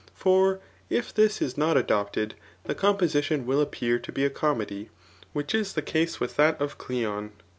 For. if this is not adopted, the composition will appear to be a comedy ; which b the^case with that of Cleon.